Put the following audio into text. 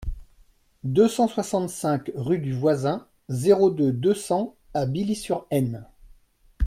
deux cent soixante-cinq rue du Voisin, zéro deux, deux cents à Billy-sur-Aisne